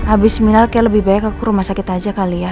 abis milah kayak lebih baik aku rumah sakit aja kali ya